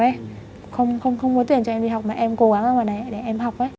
em không có tiền cho em đi học mà em cố gắng ra ngoài này để em học ấy